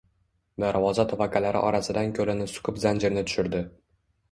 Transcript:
Darvoza tavaqalari orasidan koʼlini suqib zanjirni tushirdi.